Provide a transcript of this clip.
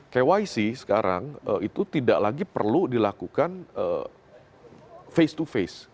kyc sekarang itu tidak lagi perlu dilakukan face to face